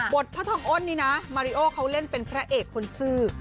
พระทองอ้นนี้นะมาริโอเขาเล่นเป็นพระเอกคนซื่อ